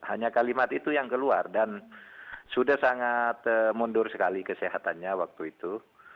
hanya kalimat itu yang keluar dan sudah sangat mundur sekali kesehatannya waktu itu